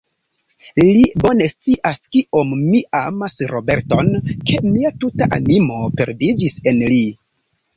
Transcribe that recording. Li bone scias, kiom mi amas Roberton; ke mia tuta animo perdiĝis en li.